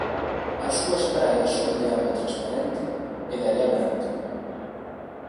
As súas praias son de auga transparente e de area branca.